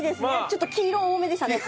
ちょっと黄色多めでしたね